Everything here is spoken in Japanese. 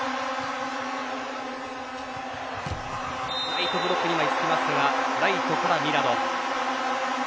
ライトブロックにつきますがライトからミラド。